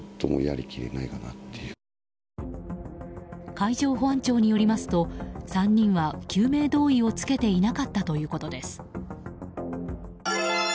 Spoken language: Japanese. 海上保安庁によりますと３人は救命胴衣を着けていなかったということです。